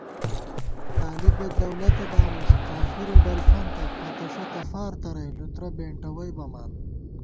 طالِبےدولَتہ دامُس، کافِرےڈلفنتہ، پتَݭَتہ فارترَئی لُترہ بېنٹَوَئی بَمان